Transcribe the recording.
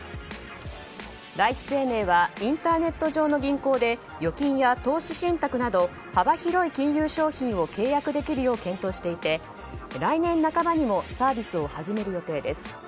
第一生命はインターネット上の銀行で預金や投資信託など幅広い金融商品を契約できるよう検討していて来年半ばにもサービスを始める予定です。